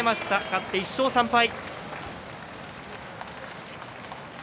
勝って１勝３敗。